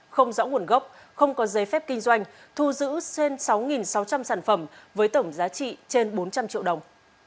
không rõ nguồn gốc không có giấy phép kinh doanh thu giữ trên sáu sáu trăm linh sản phẩm với tổng giá trị trên bốn trăm linh triệu đồng